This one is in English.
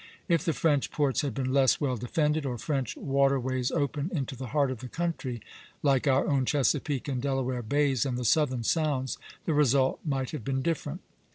If the French ports had been less well defended, or French water ways open into the heart of the country, like our own Chesapeake and Delaware bays and the Southern sounds, the result might have been different.